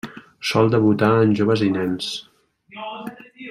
Sol debutar en joves i nens.